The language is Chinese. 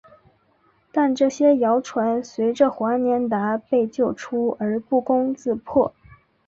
但这些谣传随着华年达被救出而不攻自破。